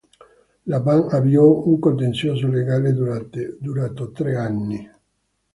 La band avviò un contenzioso legale durato tre anni.